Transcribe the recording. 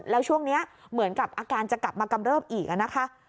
แล้วช่วงนี้เหมือนกับอาการจะกลับมากำเริบอีกนะคะ